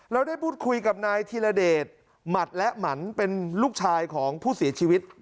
เราได้พูดคุยกับนายธีรเดชหมัดและหมันเป็นลูกชายของผู้เสียชีวิต